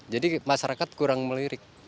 jadi masyarakat kurang melirik